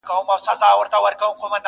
د ازل غشي ویشتلی پر ځیګر دی؛